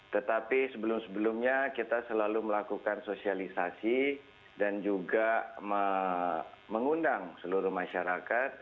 tetapi sebelum sebelumnya kita selalu melakukan sosialisasi dan juga mengundang seluruh masyarakat